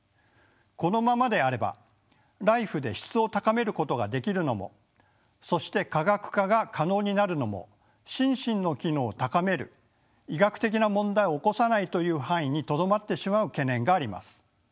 このままであればＬＩＦＥで質を高めることができるのもそして科学化が可能になるのも「心身の機能を高める」「医学的な問題を起こさない」という範囲にとどまってしまう懸念があります。